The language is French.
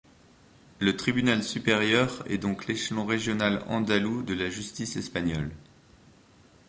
Le tribunal supérieur est donc l’échelon régional andalou de la justice espagnole.